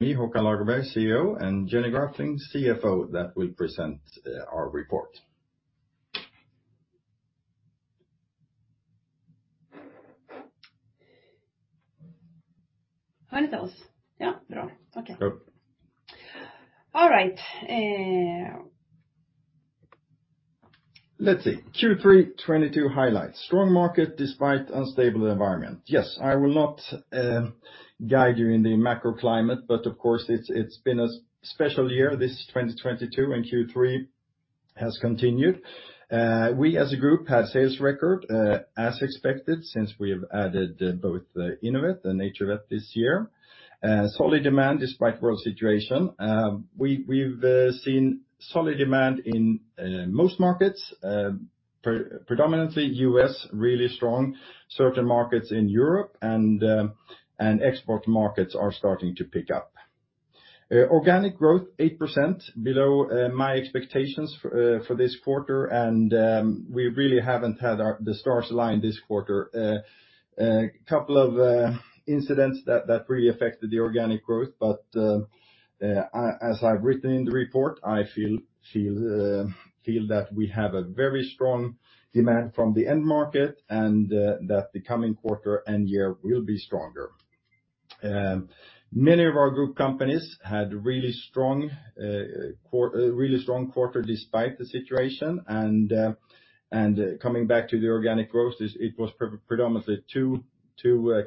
Me, Håkan Lagerberg, CEO, and Jenny Graflind, CFO, that will present our report. Yeah. Okay. Good. All right. Let's see. Q3 2022 highlights. Strong market despite unstable environment. Yes, I will not guide you in the macro climate, but of course it's been a special year, this 2022, and Q3 has continued. We as a group had record sales, as expected since we have added both the Innovet and NaturVet this year. Solid demand despite world situation. We've seen solid demand in most markets, predominantly U.S., really strong. Certain markets in Europe and export markets are starting to pick up. Organic growth 8% below my expectations for this quarter, and we really haven't had the stars align this quarter. A couple of incidents that really affected the organic growth. As I've written in the report, I feel that we have a very strong demand from the end market and that the coming quarter and year will be stronger. Many of our group companies had really strong quarter despite the situation. Coming back to the organic growth, it was predominantly two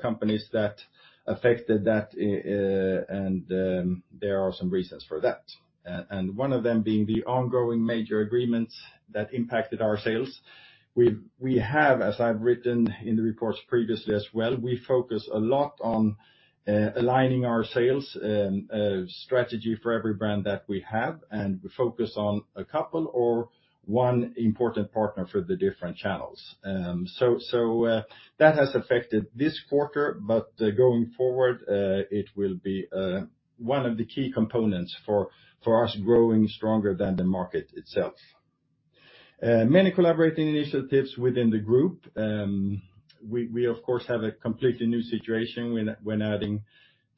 companies that affected that, and there are some reasons for that. One of them being the ongoing major agreements that impacted our sales. We have, as I've written in the reports previously as well, we focus a lot on aligning our sales strategy for every brand that we have, and we focus on a couple or one important partner for the different channels. That has affected this quarter, but going forward, it will be one of the key components for us growing stronger than the market itself. Many collaborating initiatives within the group. We of course have a completely new situation when adding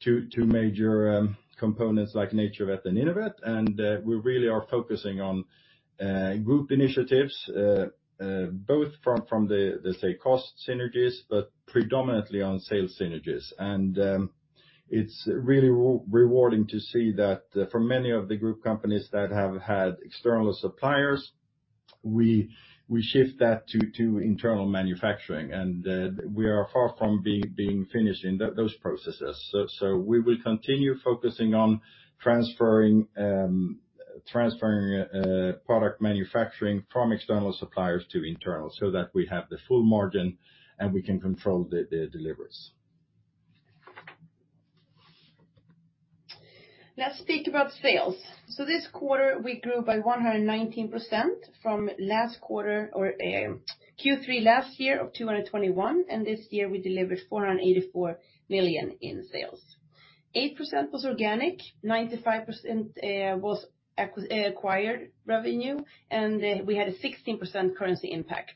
two major components like NaturVet and Innovet, and we really are focusing on group initiatives both from the, let's say, cost synergies, but predominantly on sales synergies. It's really rewarding to see that for many of the group companies that have had external suppliers, we shift that to internal manufacturing, and we are far from being finished in those processes. We will continue focusing on transferring product manufacturing from external suppliers to internal, so that we have the full margin and we can control the deliveries. Let's speak about sales. This quarter we grew by 119% from last quarter or Q3 last year of 2021, and this year we delivered 484 million in sales. 8% was organic, 95% was acquired revenue, and we had a 16% currency impact.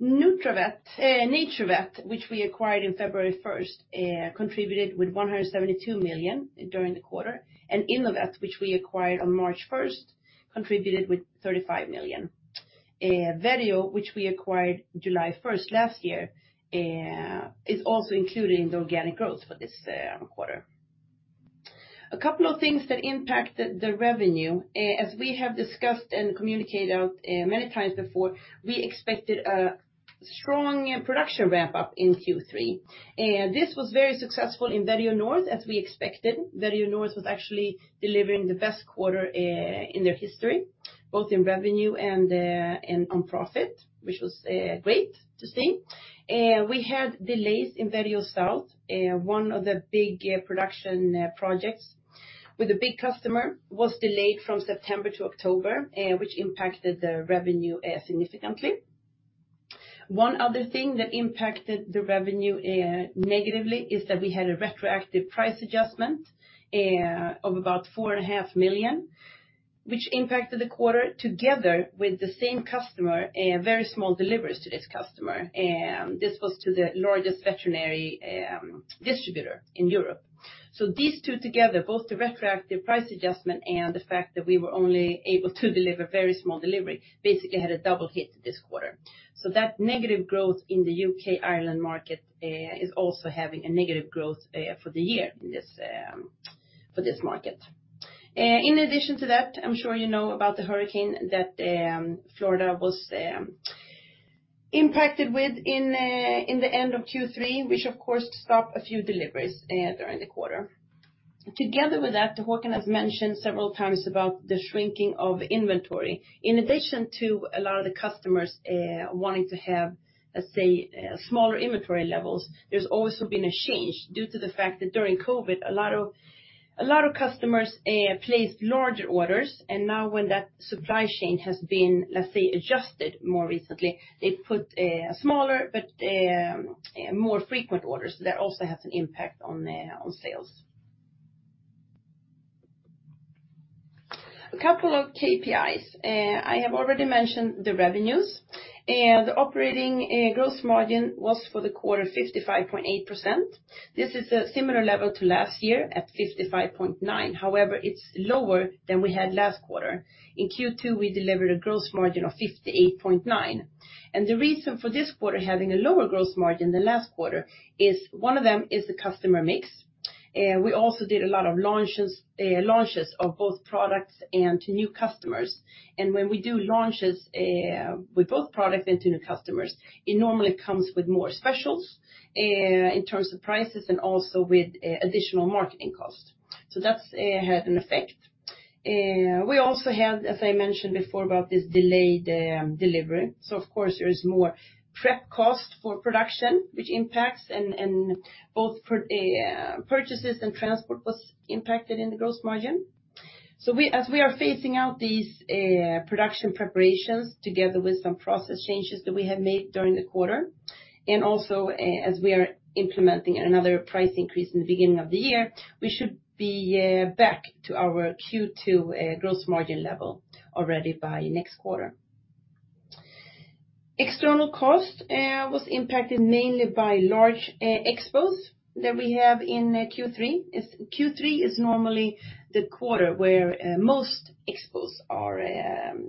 NaturVet, which we acquired in February first, contributed with 172 million during the quarter, and Innovet, which we acquired on March first, contributed with 35 million. Vetio, which we acquired July first last year, is also including the organic growth for this quarter. A couple of things that impacted the revenue. As we have discussed and communicated out many times before, we expected a strong production ramp-up in Q3. This was very successful in Vetio North, as we expected. Vetio North was actually delivering the best quarter in their history, both in revenue and on profit, which was great to see. We had delays in Vetio South. One of the big production projects with a big customer was delayed from September to October, which impacted the revenue significantly. One other thing that impacted the revenue negatively is that we had a retroactive price adjustment of about 4.5 million, which impacted the quarter together with the same customer, a very small deliveries to this customer. This was to the largest veterinary distributor in Europe. These two together, both the retroactive price adjustment and the fact that we were only able to deliver very small delivery, basically had a double hit this quarter. That negative growth in the U.K., Ireland market is also having a negative growth for the year for this market. In addition to that, I'm sure you know about the hurricane that Florida was impacted with in the end of Q3, which of course stopped a few deliveries during the quarter. Together with that, Håkan has mentioned several times about the shrinking of inventory. In addition to a lot of the customers wanting to have, let's say, smaller inventory levels, there's also been a change due to the fact that during COVID, a lot of customers placed larger orders, and now when that supply chain has been, let's say, adjusted more recently, they put smaller but more frequent orders. That also has an impact on sales. A couple of KPIs. I have already mentioned the revenues. The operating gross margin was for the quarter 55.8%. This is a similar level to last year at 55.9%. However, it's lower than we had last quarter. In Q2, we delivered a gross margin of 58.9%. The reason for this quarter having a lower gross margin than last quarter is the customer mix. We also did a lot of launches of both products and to new customers. When we do launches with both products and to new customers, it normally comes with more specials in terms of prices and also with additional marketing costs. That's had an effect. We also had, as I mentioned before, about this delayed delivery. Of course, there is more prep cost for production which impacts and both purchases and transport was impacted in the gross margin. As we are phasing out these production preparations together with some process changes that we have made during the quarter, and also as we are implementing another price increase in the beginning of the year, we should be back to our Q2 gross margin level already by next quarter. External cost was impacted mainly by large expos that we have in Q3. Q3 is normally the quarter where most expos are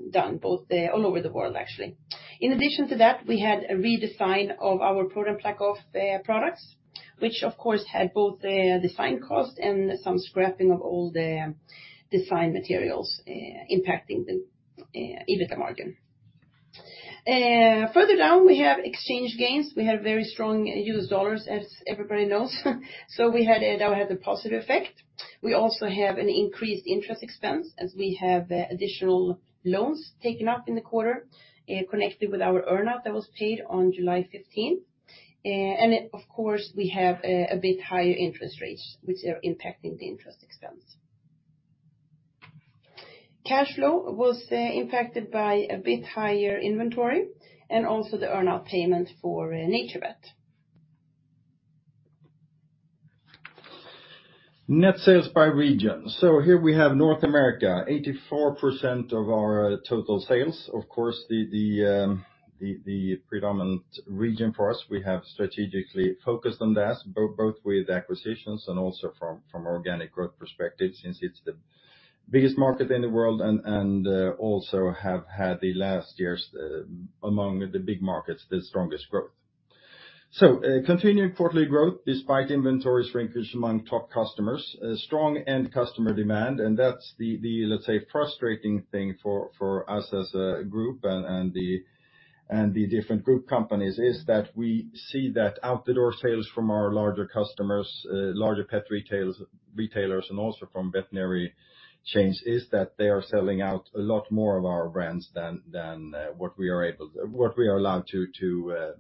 done, both all over the world, actually. In addition to that, we had a redesign of our product packaging of products, which of course, had both a design cost and some scrapping of all the design materials, impacting the EBITDA margin. Further down, we have exchange gains. We have very strong U.S. dollars, as everybody knows. That had a positive effect. We also have an increased interest expense as we have additional loans taken up in the quarter, connected with our earn out that was paid on July 15th. Of course, we have a bit higher interest rates which are impacting the interest expense. Cash flow was impacted by a bit higher inventory and also the earn out payments for NaturVet. Net sales by region. Here we have North America, 84% of our total sales. Of course, the predominant region for us, we have strategically focused on that, both with acquisitions and also from organic growth perspective, since it's the biggest market in the world and also have had the last year's, among the big markets, the strongest growth. Continuing quarterly growth despite inventory shrinkage among top customers, strong end customer demand. That's the, let's say, frustrating thing for us as a group and the different group companies, is that we see that out the door sales from our larger customers, larger pet retailers and also from veterinary chains, is that they are selling out a lot more of our brands than what we are allowed to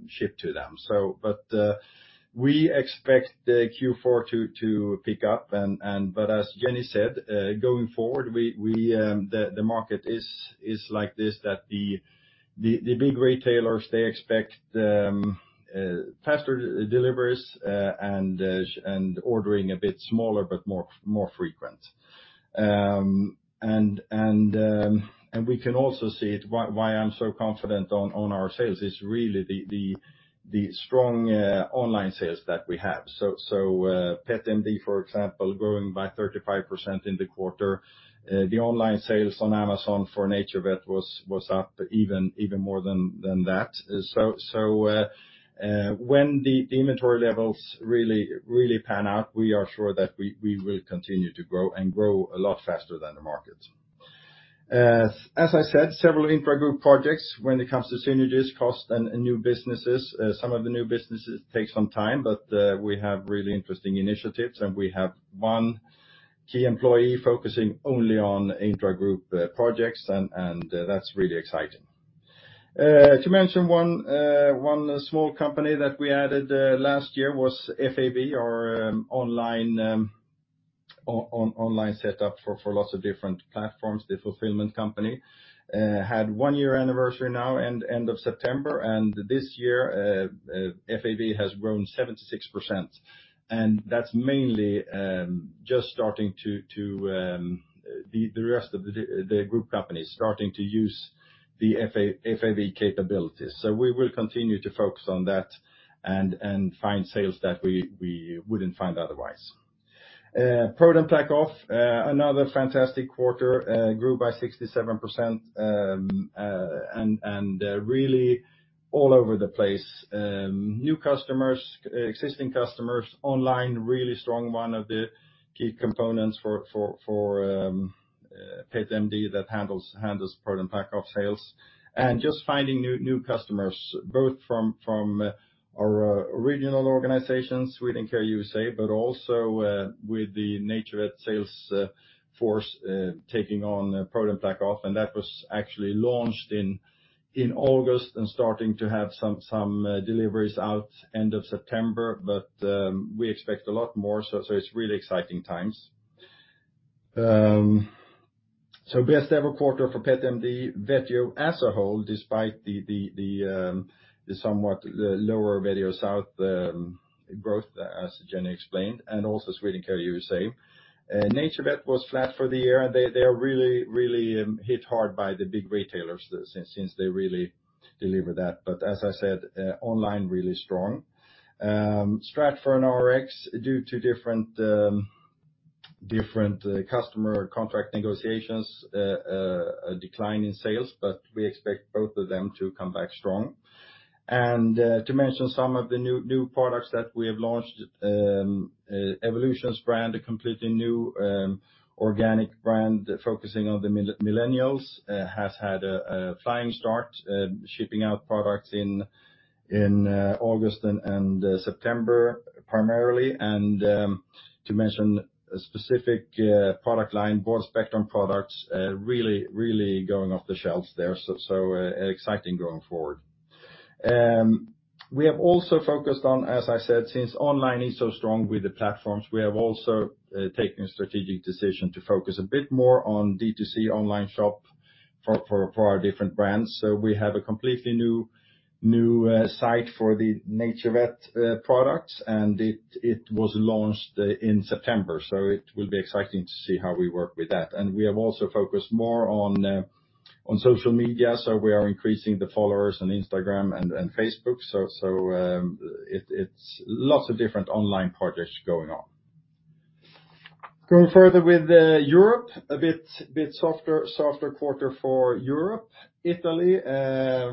ship to them. We expect the Q4 to pick up and as Jenny said, going forward, the market is like this, that the big retailers they expect faster deliveries and ordering a bit smaller but more frequent. We can also see why I'm so confident on our sales is really the strong online sales that we have. PetMD, for example, growing by 35% in the quarter. The online sales on Amazon for NaturVet was up even more than that. When the inventory levels really pan out, we are sure that we will continue to grow and grow a lot faster than the market. As I said, several intra-group projects when it comes to synergies, cost and new businesses. Some of the new businesses take some time, but we have really interesting initiatives, and we have one key employee focusing only on intra-group projects, and that's really exciting. To mention one small company that we added last year was FAV, our online setup for lots of different platforms. The fulfillment company had one-year anniversary now, end of September, and this year FAV has grown 76%. That's mainly just starting to the rest of the group companies starting to use the FAV capabilities. We will continue to focus on that and find sales that we wouldn't find otherwise. ProDen PlaqueOff, another fantastic quarter, grew by 67%. Really all over the place. New customers, existing customers, online, really strong one of the key components for Pet MD that handles ProDen PlaqueOff sales. Just finding new customers, both from our regional organizations, Swedencare USA, but also with the NaturVet sales force taking on ProDen PlaqueOff. That was actually launched in August and starting to have some deliveries out end of September. We expect a lot more, so it's really exciting times. Best ever quarter for PetMD. Vetio as a whole, despite the somewhat lower Vetio South growth, as Jenny explained, and also Swedencare USA. NaturVet was flat for the year, and they are really hit hard by the big retailers since they really deliver that. As I said, online really strong. Start for Innovet and Rx Vitamins due to different customer contract negotiations, a decline in sales, but we expect both of them to come back strong. To mention some of the new products that we have launched, Evolutions brand, a completely new organic brand focusing on the millennials, has had a flying start, shipping out products in August and September primarily. To mention a specific product line, broad spectrum products, really going off the shelves there. Exciting going forward. We have also focused on, as I said, since online is so strong with the platforms, we have also taken a strategic decision to focus a bit more on D2C online shop for our different brands. We have a completely new site for the NaturVet products, and it was launched in September, so it will be exciting to see how we work with that. We have also focused more on social media. We are increasing the followers on Instagram and Facebook. It's lots of different online projects going on. Going further with Europe, a bit softer quarter for Europe. Italy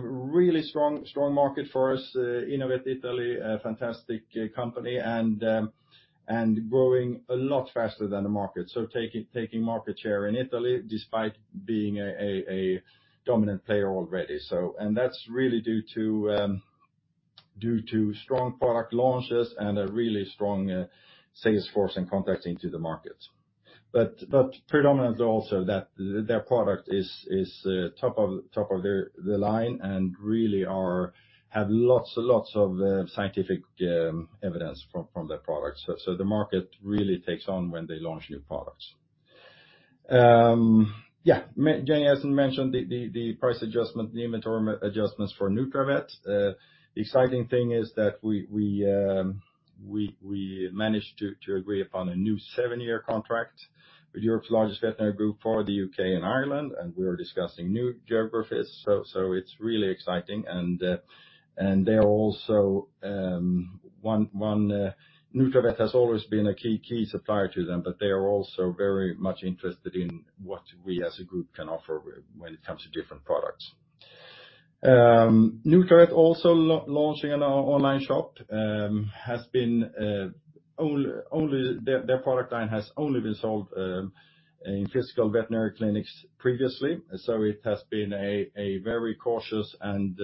really strong market for us. Innovet Italia a fantastic company and growing a lot faster than the market. Taking market share in Italy despite being a dominant player already. That's really due to strong product launches and a really strong sales force and contacts into the market. Predominantly also that their product is top of the line and really have lots of scientific evidence from their products. The market really takes off when they launch new products. Yeah, Jenny hasn't mentioned the price adjustment, the inventory adjustments for Nutravet. The exciting thing is that we managed to agree upon a new seven year contract with Europe's largest veterinary group for the U.K. and Ireland, and we are discussing new geographies. It's really exciting. Nutravet has always been a key supplier to them, but they are also very much interested in what we as a group can offer when it comes to different products. Nutravet also launching an online shop. Their product line has only been sold in physical veterinary clinics previously. It has been a very cautious and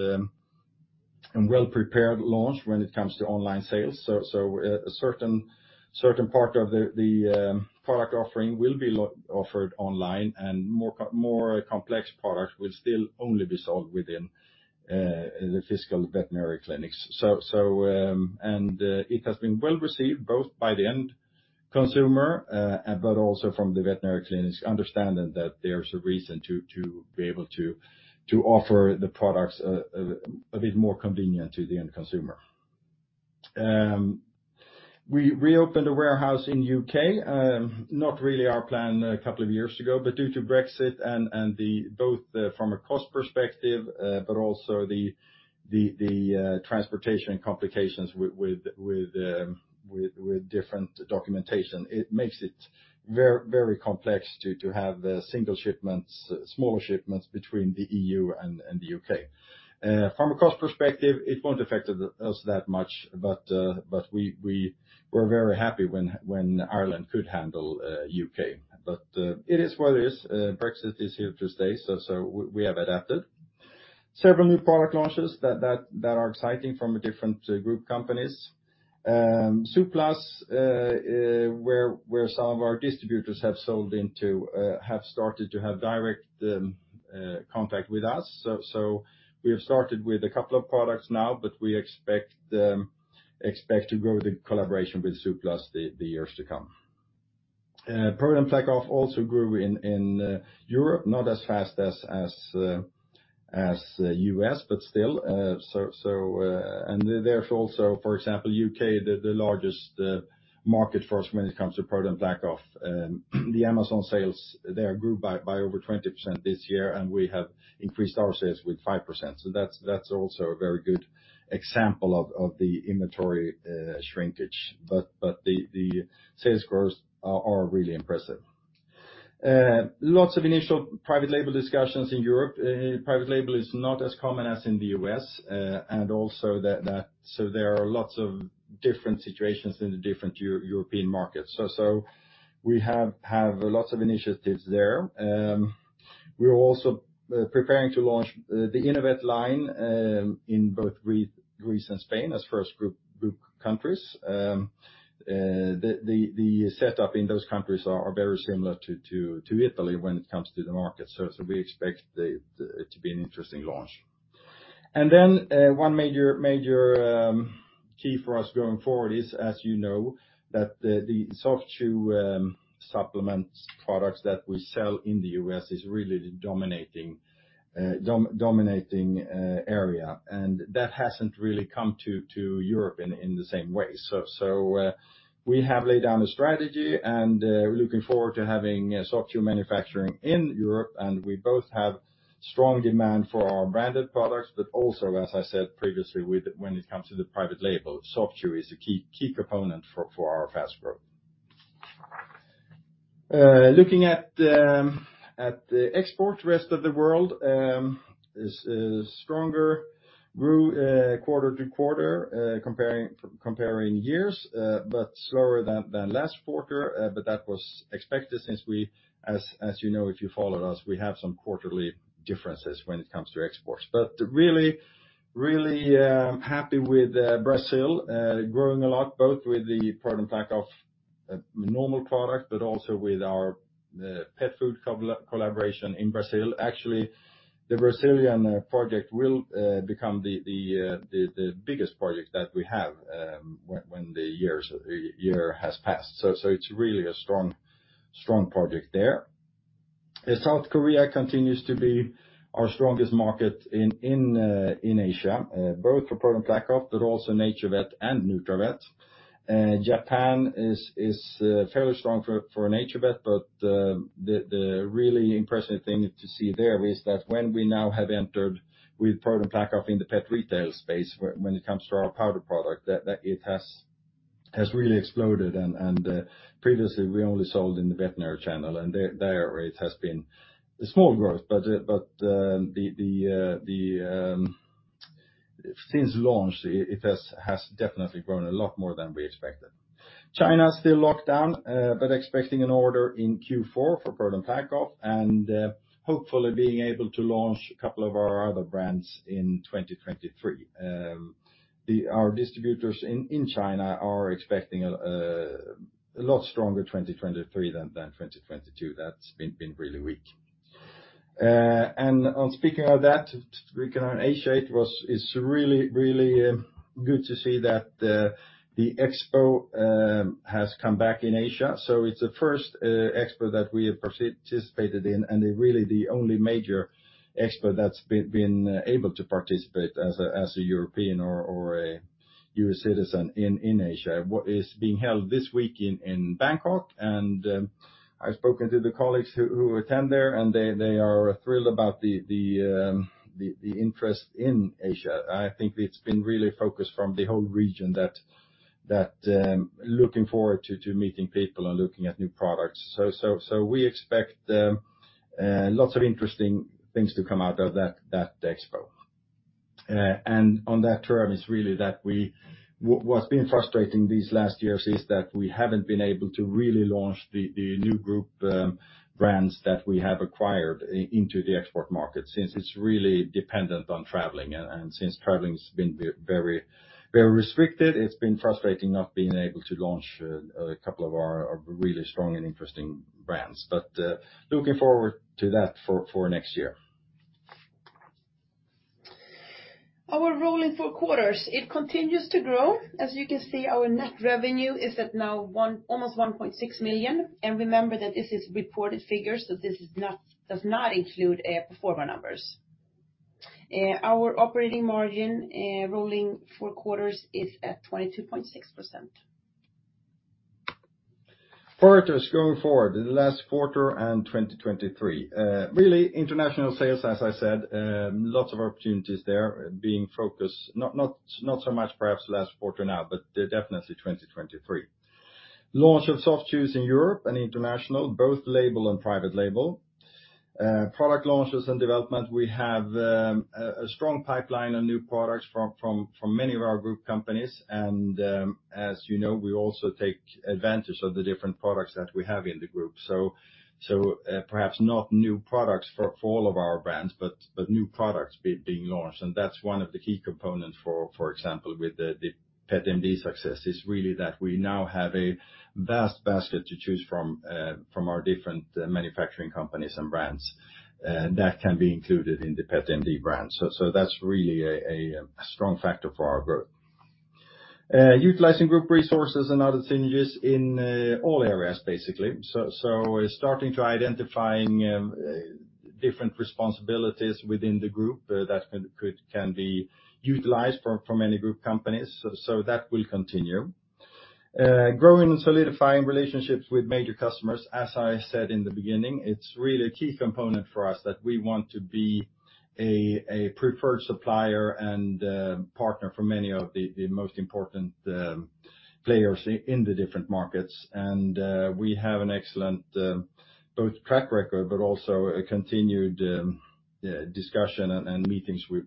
well-prepared launch when it comes to online sales. A certain part of the product offering will be offered online, and more complex products will still only be sold within the physical veterinary clinics. It has been well received both by the end consumer but also from the veterinary clinics understanding that there's a reason to be able to offer the products a bit more convenient to the end consumer. We reopened a warehouse in U.K., not really our plan a couple of years ago, but due to Brexit and both from a cost perspective, but also the transportation complications with different documentation. It makes it very complex to have single shipments, smaller shipments between the EU and the U.K. From a cost perspective, it won't affect us that much, but we were very happy when Ireland could handle U.K. It is what it is. Brexit is here to stay, so we have adapted. Several new product launches that are exciting from different group companies. Zooplus, where some of our distributors have sold into, have started to have direct contact with us. We have started with a couple of products now, but we expect to grow the collaboration with zooplus the years to come. ProDen PlaqueOff also grew in Europe, not as fast as U.S., but still. There's also, for example, the U.K., the largest market for us when it comes to ProDen PlaqueOff. The Amazon sales there grew by over 20% this year, and we have increased our sales with 5%. That's also a very good example of the inventory shrinkage. The sales growth are really impressive. Lots of initial private label discussions in Europe. Private label is not as common as in the U.S., and also so there are lots of different situations in the different European markets. We have lots of initiatives there. We are also preparing to launch the Innovet line in both Greece and Spain as first group countries. The setup in those countries are very similar to Italy when it comes to the market. We expect it to be an interesting launch. One major key for us going forward is, as you know, that the soft chew supplements products that we sell in the U.S. is really the dominating area. That hasn't really come to Europe in the same way. We have laid down a strategy, and we're looking forward to having a soft chew manufacturing in Europe, and we both have strong demand for our branded products. But also, as I said previously, with, when it comes to the private label, soft chew is a key component for our fast growth. Looking at the exports to the rest of the world, it is stronger. Grew quarter to quarter comparing years, but slower than last quarter. But that was expected since, as you know if you followed us, we have some quarterly differences when it comes to exports. But really happy with Brazil growing a lot, both with the ProDen PlaqueOff normal product, but also with our pet food collaboration in Brazil. Actually, the Brazilian project will become the biggest project that we have when the years or the year has passed. It's really a strong project there. South Korea continues to be our strongest market in Asia both for ProDen PlaqueOff, but also NaturVet and Nutravet. Japan is fairly strong for NaturVet, but the really impressive thing to see there is that when we now have entered with ProDen PlaqueOff in the pet retail space when it comes to our powder product, that it has really exploded. Previously we only sold in the veterinary channel, and there it has been a small growth. Since launch, it has definitely grown a lot more than we expected. China is still locked down, but expecting an order in Q4 for ProDen PlaqueOff and, hopefully being able to launch a couple of our other brands in 2023. Our distributors in China are expecting a lot stronger 2023 than 2022. That's been really weak. And speaking of that on Asia, it's really good to see that the expo has come back in Asia. It's the first expo that we have participated in, and really the only major expo that's been able to participate as a European or a U.S. citizen in Asia. What is being held this week in Bangkok, and I've spoken to the colleagues who attend there, and they are thrilled about the interest in Asia. I think it's been really focused from the whole region that looking forward to meeting people and looking at new products. We expect lots of interesting things to come out of that expo. On that term, What's been frustrating these last years is that we haven't been able to really launch the new group brands that we have acquired into the export market, since it's really dependent on traveling. Since traveling has been very restricted, it's been frustrating not being able to launch a couple of our really strong and interesting brands. Looking forward to that for next year. Our rolling four quarters, it continues to grow. As you can see, our net revenue is now almost 1.6 million. Remember that this is reported figures, so this does not include pro forma numbers. Our operating margin, rolling four quarters, is at 22.6%. Further, going forward, the last quarter and 2023. Really international sales, as I said, lots of opportunities there being focused. Not so much perhaps last quarter now, but definitely 2023. Launch of soft chews in Europe and international, both label and private label. Product launches and development, we have a strong pipeline on new products from many of our group companies. As you know, we also take advantage of the different products that we have in the group. Perhaps not new products for all of our brands, but new products being launched. That's one of the key components, for example, with the PetMD success, is really that we now have a vast basket to choose from our different manufacturing companies and brands, that can be included in the PetMD brand. That's really a strong factor for our growth. Utilizing group resources and other synergies in all areas, basically. Starting to identifying different responsibilities within the group, that can be utilized for many group companies. That will continue. Growing and solidifying relationships with major customers, as I said in the beginning, it's really a key component for us that we want to be a preferred supplier and partner for many of the most important players in the different markets. We have an excellent both track record, but also a continued discussion and meetings with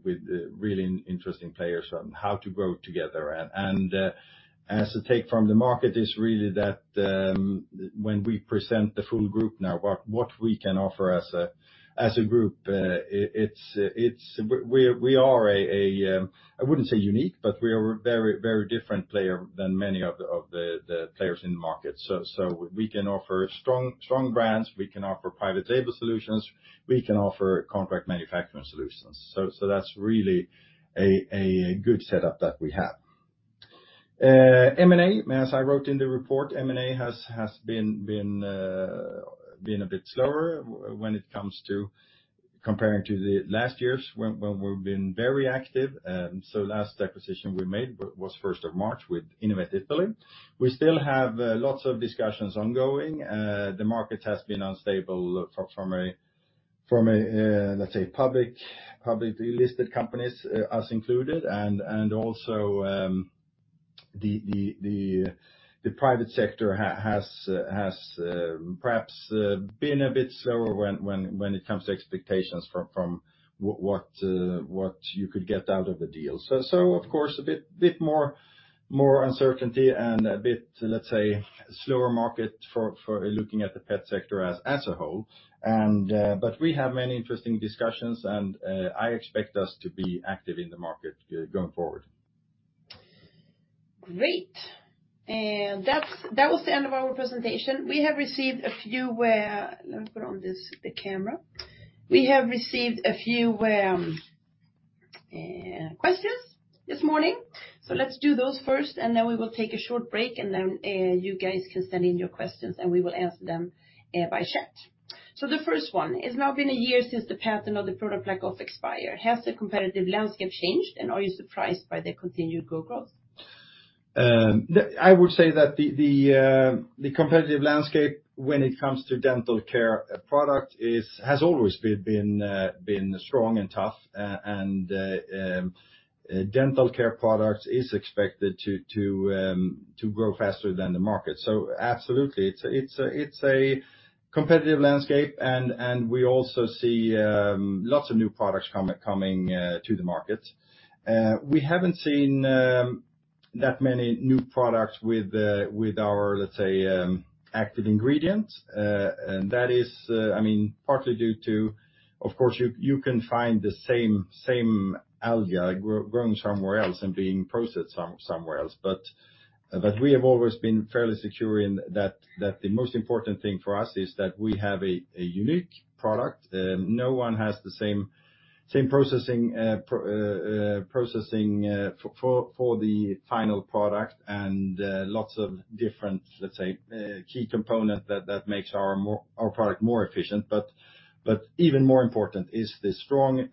really interesting players on how to grow together. As the take from the market is really that, when we present the full group now, what we can offer as a group, it's. We are a, I wouldn't say unique, but we are a very different player than many of the players in the market. We can offer strong brands, we can offer private label solutions, we can offer contract manufacturing solutions. That's really a good setup that we have. M&A, as I wrote in the report, has been a bit slower when it comes to comparing to the last years when we've been very active. Last acquisition we made was first of March with Innovet Italia. We still have lots of discussions ongoing. The market has been unstable from a, let's say publicly listed companies, us included. Also, the private sector has perhaps been a bit slower when it comes to expectations from what you could get out of the deal. Of course a bit more uncertainty and a bit, let's say, slower market for looking at the pet sector as a whole. We have many interesting discussions, and I expect us to be active in the market going forward. Great. That was the end of our presentation. Let me put on this, the camera. We have received a few questions this morning, so let's do those first, and then we will take a short break, and then you guys can send in your questions, and we will answer them by chat. The first one. It's now been a year since the patent on the ProDen PlaqueOff expired. Has the competitive landscape changed, and are you surprised by the continued good growth? I would say that the competitive landscape when it comes to dental care product has always been strong and tough. Dental care products is expected to grow faster than the market. Absolutely. It's a competitive landscape and we also see lots of new products coming to the market. We haven't seen that many new products with our, let's say, active ingredient. That is, I mean, partly due to, of course, you can find the same alga growing somewhere else and being processed somewhere else. We have always been fairly secure in that the most important thing for us is that we have a unique product. No one has the same processing for the final product and lots of different, let's say, key components that make our product more efficient. Even more important is the strong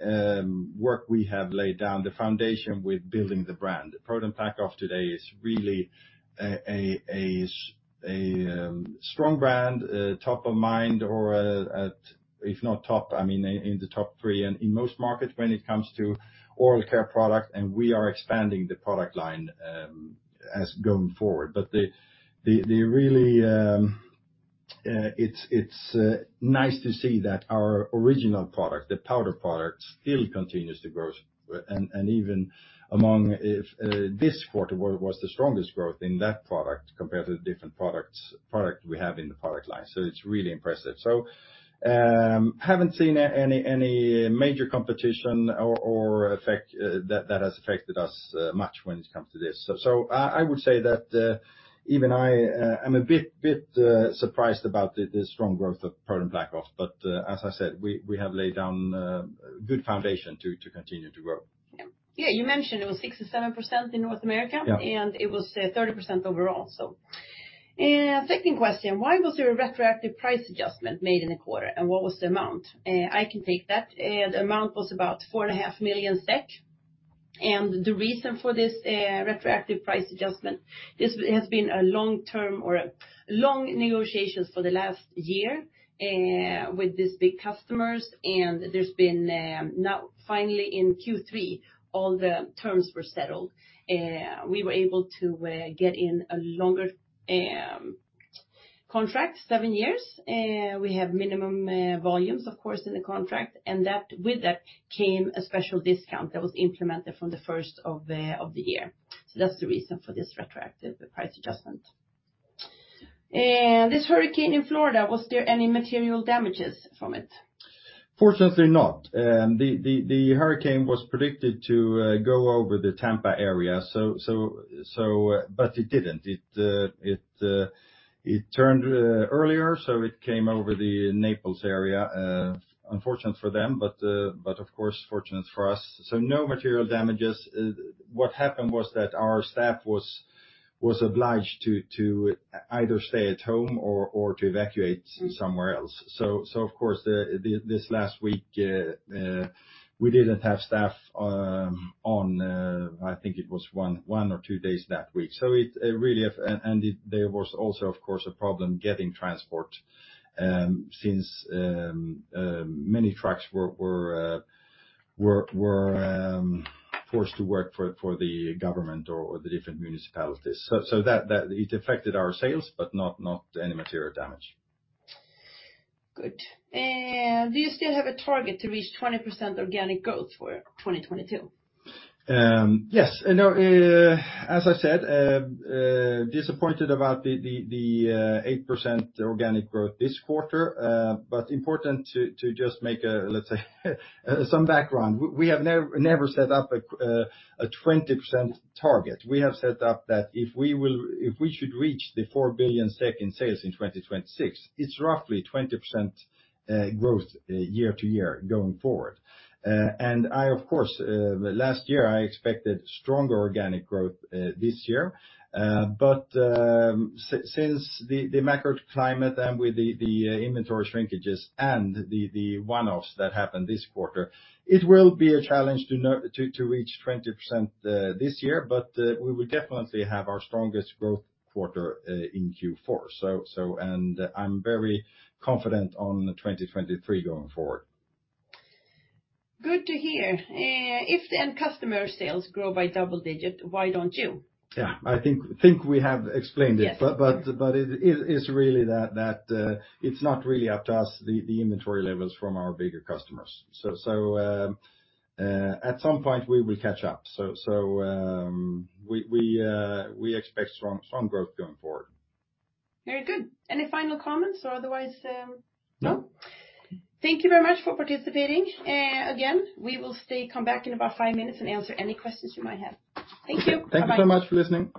work we have laid down, the foundation with building the brand. ProDen PlaqueOff today is really a strong brand, top of mind or, if not top, I mean, in the top three and in most markets when it comes to oral care products, and we are expanding the product line as going forward. That's really nice to see that our original product, the powder product, still continues to grow. Even among this quarter where it was the strongest growth in that product compared to the different products we have in the product line. It's really impressive. Haven't seen any major competition or effect that has affected us much when it comes to this. I would say that even I am a bit surprised about the strong growth of ProDen PlaqueOff. As I said, we have laid down a good foundation to continue to grow. Yeah. Yeah, you mentioned it was 67% in North America. Yeah. It was 30% overall, so. Second question. Why was there a retroactive price adjustment made in the quarter, and what was the amount? I can take that. The amount was about 4.5 Million SEK. The reason for this retroactive price adjustment, this has been long-term negotiations for the last year with these big customers. There's been now finally in Q3, all the terms were settled. We were able to get a longer contract, seven years. We have minimum volumes, of course, in the contract. With that came a special discount that was implemented from the first of the year. That's the reason for this retroactive price adjustment. This hurricane in Florida, was there any material damages from it? Fortunately not. The hurricane was predicted to go over the Tampa area. It didn't. It turned earlier, so it came over the Naples area. Unfortunate for them, but of course fortunate for us. No material damages. What happened was that our staff was obliged to either stay at home or to evacuate somewhere else. Of course, this last week, we didn't have staff on, I think it was one or two days that week. It really there was also, of course, a problem getting transport, since many trucks were forced to work for the government or the different municipalities. That. It affected our sales, but not any material damage. Good. Do you still have a target to reach 20% organic growth for 2022? Yes. You know, as I said, disappointed about the 8% organic growth this quarter. Important to just make a, let's say, some background. We have never set up a 20% target. We have set up that if we should reach 4 billion in sales in 2026, it's roughly 20% growth year to year going forward. I of course, last year I expected stronger organic growth, this year. Since the macro climate and with the inventory shrinkages and the one-offs that happened this quarter, it will be a challenge to reach 20% this year. We will definitely have our strongest growth quarter in Q4. I'm very confident on 2023 going forward. Good to hear. If the end customer sales grow by double-digit, why don't you? Yeah. I think we have explained it. Yes. It is, it's really that it's not really up to us, the inventory levels from our bigger customers. At some point we will catch up. We expect strong growth going forward. Very good. Any final comments or otherwise? No. Thank you very much for participating. Again, we will come back in about five minutes and answer any questions you might have. Thank you. Okay. Bye. Thank you so much for listening.